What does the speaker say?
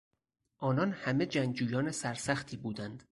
آنان همه جنگجویان سرسختی بودند.